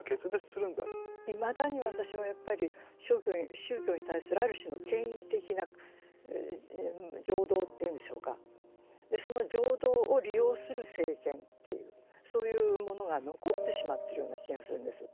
いまだに私はやっぱり宗教に対するある種の権威的な情動というんでしょうかその情動を利用する政権っていうそういうものが残ってしまってるような気がするんです。